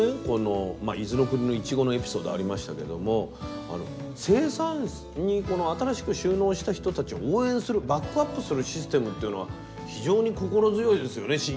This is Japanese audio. このまあ伊豆の国のいちごのエピソードありましたけどもあの生産にこの新しく就農した人たちを応援するバックアップするシステムというのは非常に心強いですよね